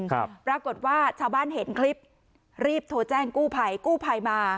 ครับปรากฏว่าชาวบ้านเห็นคลิปรีบโทรแจ้งกู้ภัยกู้ภัยมา